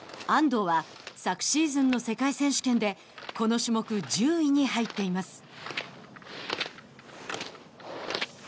安藤は昨シーズンの世界選手権でこの種目１０位に入っています。